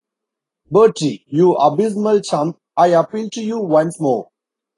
Bertie, you abysmal chump, I appeal to you once more.